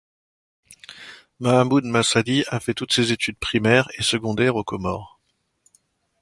Mahamoud M'saidie a fait toutes ses études primaires et secondaires aux Comores.